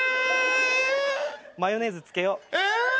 ・マヨネーズつけよ。え！